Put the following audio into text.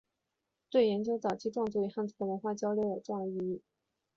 对研究早期壮族与汉族的文化交流有重要意义。